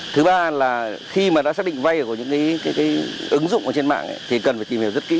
thứ ba là khi mà đã xác định vay của những ứng dụng ở trên mạng thì cần phải tìm hiểu rất kỹ